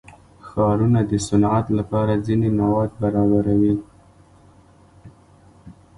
ښارونه د صنعت لپاره ځینې مواد برابروي.